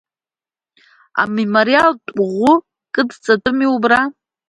Амемориалтә ӷәы кыдҵатәыми убра…